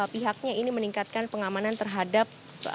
pihaknya ini meningkatkan pengamanan terhadap